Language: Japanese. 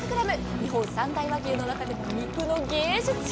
日本三大和牛の中でも肉の芸術品。